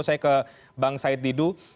saya ke bang said didu